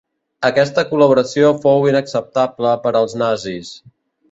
Aquesta col·laboració fou inacceptable per als nazis.